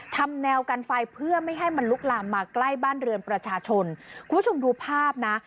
ทำแนวกันไฟเพื่อไม่ให้มันลุกลามมาใกล้บ้านเรือนประชาชนคุณผู้ชมดูภาพนะ